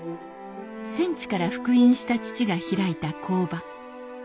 戦地から復員した父が開いた工場。